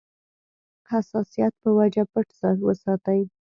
حساسیت په وجه پټ وساتي.